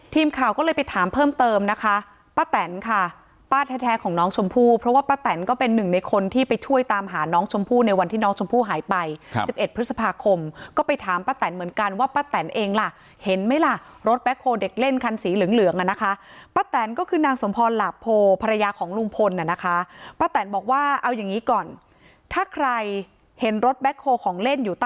ทีมข่าวก็เลยไปถามเพิ่มเติมนะคะป้าแต๋นค่ะป้าแท้ของน้องชมพู่เพราะว่าป้าแต๋นก็เป็นหนึ่งในคนที่ไปช่วยตามหาน้องชมพู่ในวันที่น้องชมพู่หายไป๑๑พฤษภาคมก็ไปถามป้าแต๋นเหมือนกันว่าป้าแต๋นเองล่ะเห็นไหมล่ะรถแบ็คโฮล์เด็กเล่นคันสีเหลืองนะคะป้าแต๋นก็คือนางสมพรหลับโผล่ภรรยาของ